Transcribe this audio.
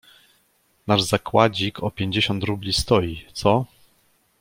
"Nasz zakładzik o pięćdziesiąt rubli stoi, co?..."